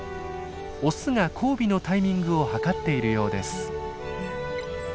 オスが交尾のタイミングを計っているようです。